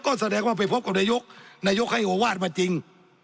ก็แสดงว่าไปพบกับนายกนายกให้โอวาสมาจริง